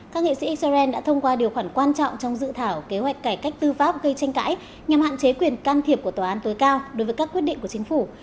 các nghị sĩ israel đã thông qua điều khoản quan trọng trong dự thảo kế hoạch cải cách tư pháp gây tranh cãi nhằm hạn chế quyền can thiệp của tòa án tối cao đối với các quyết định của chính phủ